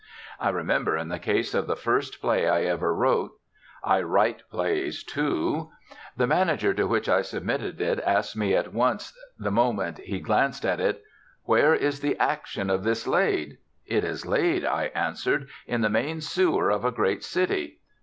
I remember in the case of the first play I ever wrote (I write plays, too) the manager to whom I submitted it asked me at once, the moment he glanced at it, "Where is the action of this laid?" "It is laid," I answered, "in the main sewer of a great city."